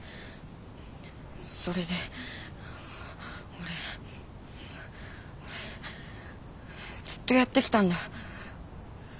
それで俺俺ずっとやってきたんだ。